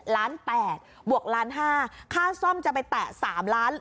ล้าน๘บวกล้านห้าค่าซ่อมจะไปแตะ๓ล้าน